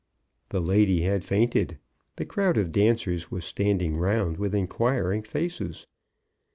The lady had fainted. The crowd of dancers was standing round, with inquiring faces.